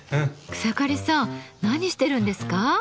草刈さん何してるんですか？